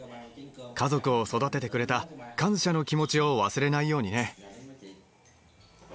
家族を育ててくれた感謝の気持ちを忘れないようにね。